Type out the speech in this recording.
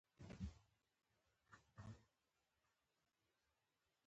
سنگ مرمر د افغانستان د صنعت لپاره مواد برابروي.